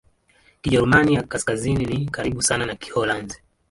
Kijerumani ya Kaskazini ni karibu sana na Kiholanzi.